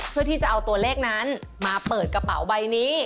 เพื่อที่จะเอาตัวเลขนั้นมาเปิดกระเป๋าใบนี้